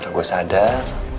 karena gue sadar